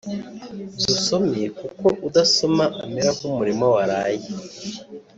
Dusome kuko Udasoma amera nk’umurima waraye